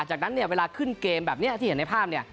จากนั้นเวลาขึ้นเกมแบบนี้ที่เห็นในภาพ